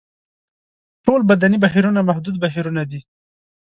ټول بدني بهیرونه محدود بهیرونه دي.